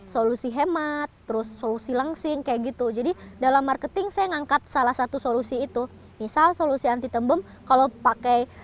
solusi hemat terus solusi lengsing kayak gitu jadi dalam marketing saya ngangkat salah satu solusi itu misal solusi anti tembem kalau pakai